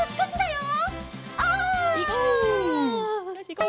よしいこう！